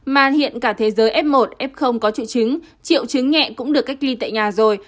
mà hiện cả thế giới f một f có triệu chứng triệu chứng nhẹ cũng được cách ly tại nhà rồi